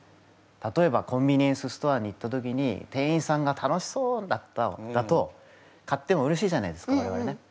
例えばコンビニエンスストアに行った時に店員さんが楽しそうだと買ってもうれしいじゃないですか我々ね。